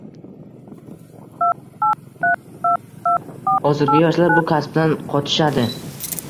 hozirgi yoshlar bu kasbdan qochishadi.